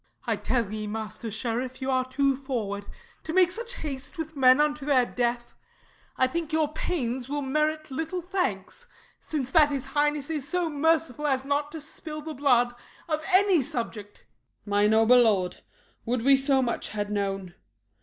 I tell ye, Master Sheriff, you are too forward, To make such haste with men unto their death; I think your pains will merit little thanks, Since that his highness is so merciful As not to spill the blood of any subject. SHERIFF. My noble lord, would we so much had known!